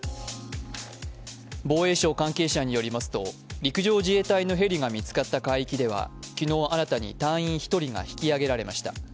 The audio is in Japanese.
防衛省関係者によりますと陸上自衛隊のヘリが見つかった海域では昨日、新たに隊員１人が引き揚げられました。